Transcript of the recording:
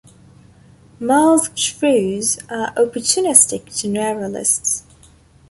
Masked shrews are opportunistic generalists.